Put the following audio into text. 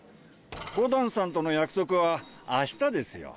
コダンさんとの約束はあしたですよ。